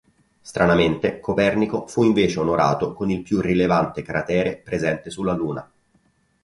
Stranamente, Copernico fu invece onorato con il più rilevante cratere presente sulla Luna.